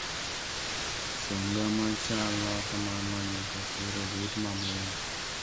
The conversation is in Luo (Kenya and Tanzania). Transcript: Sung'a machalo kamano nyaka koro wit mabor.